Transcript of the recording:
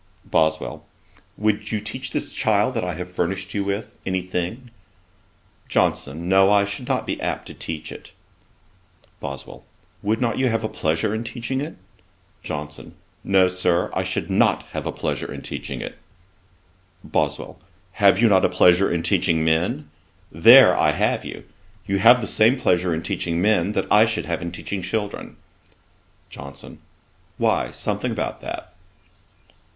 BOSWELL. 'Would you teach this child that I have furnished you with, any thing?' JOHNSON. 'No, I should not be apt to teach it.' BOSWELL. 'Would not you have a pleasure in teaching it?' JOHNSON. 'No, Sir, I should not have a pleasure in teaching it.' BOSWELL. 'Have you not a pleasure in teaching men? There I have you. You have the same pleasure in teaching men, that I should have in teaching children.' JOHNSON. 'Why, something about that.'